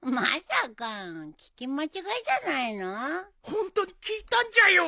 ホントに聞いたんじゃよ。